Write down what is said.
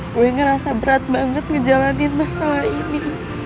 gue ngerasa berat banget ngejalanin masalah ini